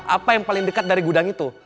apa yang paling dekat dari gudang itu